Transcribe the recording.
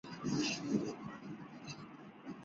很多时候你不会看到他们像这样。